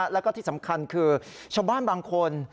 แล้วก็ที่สำคัญคือชาวบ้านบางคน